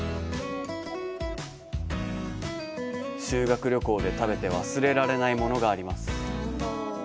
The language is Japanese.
修学旅行で食べて忘れられないものがあります。